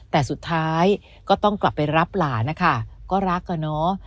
แต่สุดท้ายก็ต้องกลับไปรับหลานนะคะก็รักอะเนาะ